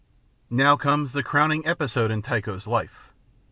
_] Now comes the crowning episode in Tycho's life.